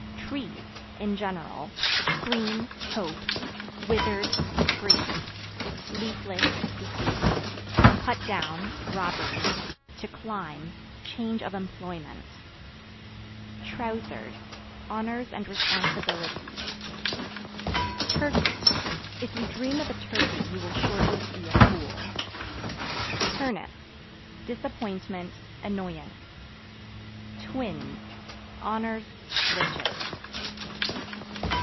Trees In general; (green) hope; (withered) grief; (leafless) deceit; (cut down) robbery; (to climb) change of employment. Trousers Honors and responsibilities. Turkey If you dream of a turkey you will shortly see a fool. Turnips Disappointment, annoyance. Twins Honors, riches.